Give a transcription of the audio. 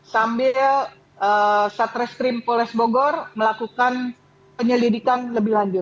sambil satreskrim polres bogor melakukan penyelidikan lebih lanjut